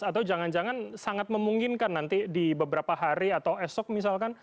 atau jangan jangan sangat memungkinkan nanti di beberapa hari atau esok misalkan